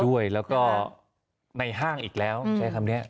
ด้วยแล้วก็ในห้างอีกแล้วใช้คำนี้